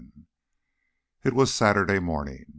VII It was Saturday morning.